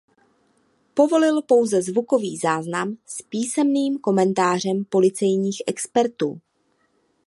Povolil pouze zvukový záznam s písemným komentářem policejních expertů.